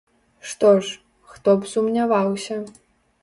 Што ж, хто б сумняваўся.